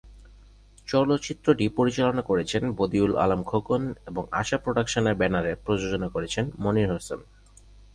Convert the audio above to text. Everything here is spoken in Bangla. চলচ্চিত্রটি পরিচালনা করেছেন বদিউল আলম খোকন এবং আশা প্রোডাকশনের ব্যানারে প্রযোজনা করেছেন মনির হোসেন।